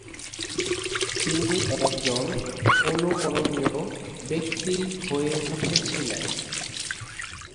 তিনি একজন অনুকরণীয় ব্যক্তি হয়ে উঠেছিলেন।